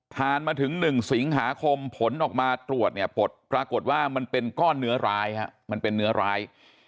ผ่านมาถึง๑สิงหาคมผลออกมาตรวจเนี่ยผลปรากฏว่ามันเป็นก้อนเนื้อร้ายมันเป็นเนื้อร้าย